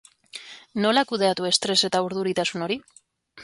Nola kudeatu estres eta urduritasun hori?